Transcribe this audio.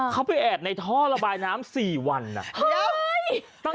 เขาไปแอบในท่อระบายน้ำ๔วัน